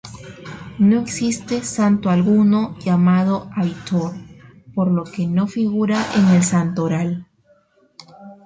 No existe santo alguno llamado Aitor, por lo que no figura en el santoral.